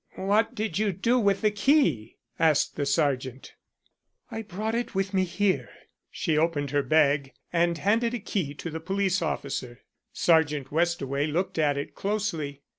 "What did you do with the key?" asked the Sergeant. "I brought it with me here." She opened her bag and handed a key to the police officer. Sergeant Westaway looked at it closely.